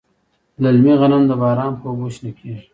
للمي غنم د باران په اوبو شنه کیږي.